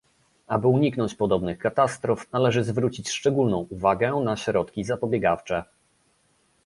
Aby uniknąć podobnych katastrof, należy zwrócić szczególną uwagę na środki zapobiegawcze